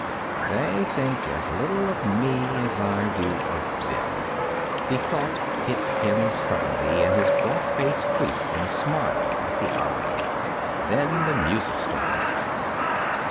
They think as little of me as I do of them. The thought hit him suddenly and his broad face creased in a smile at the irony. Then the music started.